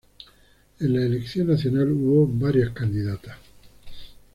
En la elección nacional hubo varias candidatas.